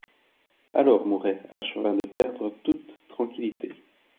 Alors, Mouret acheva de perdre toute tranquillité.